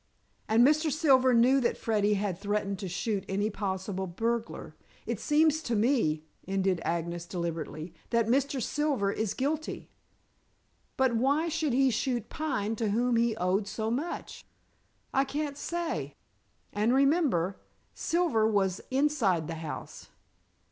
And Mr. Silver knew that Freddy had threatened to shoot any possible burglar. It seems to me," ended Agnes deliberately, "that Mr. Silver is guilty." "But why should he shoot Pine, to whom he owed so much?" "I can't say." "And, remember, Silver was inside the house."